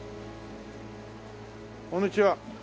こんにちは。